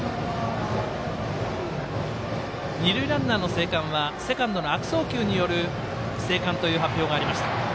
二塁ランナーの生還はセカンドの悪送球による生還という発表がありました。